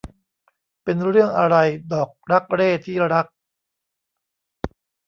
เป็นเรื่องอะไรดอกรักเร่ที่รัก ?